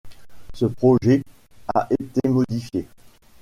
Ce projet a été modifié.